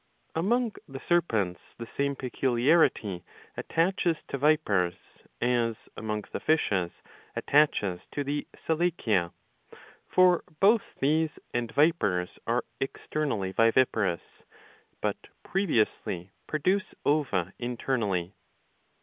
Among the Serpents, the same peculiarity attaches to vipers, as among the fishes attaches to the Selachia. For both these and vipers are externally viviparous, but previously produce ova internally.